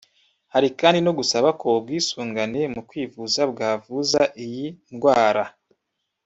Hari kandi no gusaba ko ubwisungane mu kwivuza bwavuza iyi ndwara